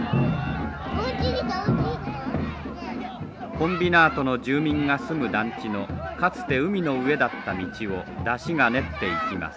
コンビナートの住民が住む団地のかつて海の上だった道を山車が練っていきます。